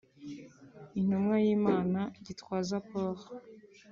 Intumwa y’Imana Gitwaza Paul